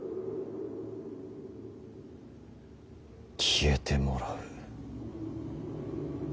消えてもらうか。